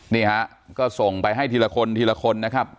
นี่ฮะก็ส่งไปให้ทีละคนทีละคนนะครับ